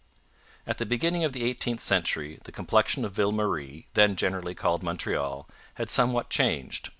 At the beginning of the eighteenth century the complexion of Ville Marie, then generally called Montreal, had somewhat changed.